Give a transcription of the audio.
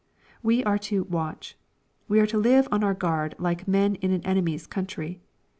We are to " watch." We are to live on our guard like men in an enemy's country.